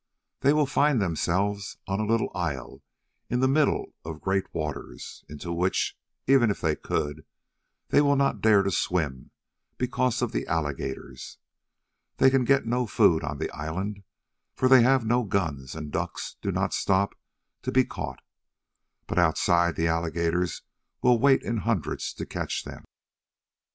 They will find themselves on a little isle in the middle of great waters, into which, even if they could, they will not dare to swim because of the alligators. They can get no food on the island, for they have no guns and ducks do not stop to be caught, but outside the alligators will wait in hundreds to catch them.